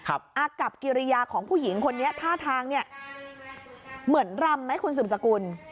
อากับกิริยาของผู้หญิงคนนี้ท่าทางเนี่ยเหมือนรำไหมคุณสืบสกุล